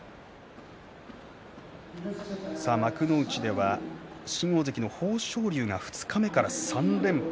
幕内では新大関の豊昇龍が二日目から３連敗。